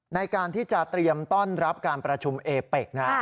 ในการที่จะเตรียมต้อนรับการประชุมเอเป็กนะ